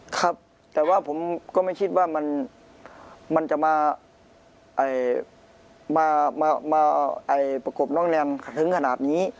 ครับแต่ว่าผมก็ไม่คิดว่ามันจะมาประกบน้องแรมถึงขนาดนี้